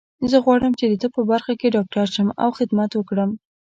زه غواړم چې د طب په برخه کې ډاکټر شم او خدمت وکړم